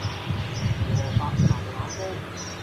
蘿蔔牛腩煲